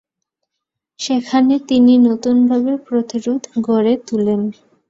সেখানে তিনি নতুনভাবে প্রতিরোধ গড়ে তোলেন।